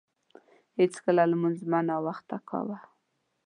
هیڅکله لمونځ مه ناوخته کاوه.